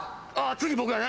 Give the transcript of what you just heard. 次僕やね。